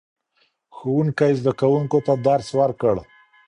ښوونکی زده کوونکو ته درس ورکړ